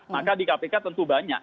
maka di kpk tentu banyak